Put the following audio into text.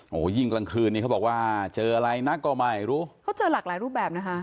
โหยิ่งกลางครือนี้เค้าบอกว่าเจออะไรนักก็ไหมเดี๋ยวเธอหลักหลายรูปแบบ